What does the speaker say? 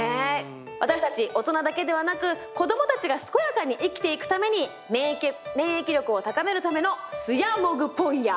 私たち大人だけではなく子どもたちが健やかに生きていくために免疫力を高めるためのスヤモグポンヤー。